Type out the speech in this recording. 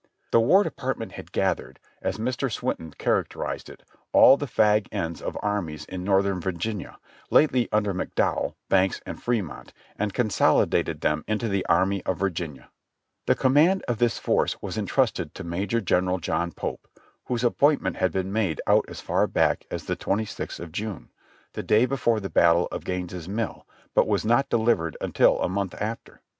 The War iJe partment had gathered, as Mr. Swinton characterized it, all the fag ends of armies in Northern Virginia, lately under McDowell Banks and Fremont, and consolidated them into the Army ot ^ Tlie'^command of this force was entrusted to Major General John Pope, whose appointment had been made out as far back as the twenty sixth of June, the day before the battle of Gaines Mill but was not delivered until a month after.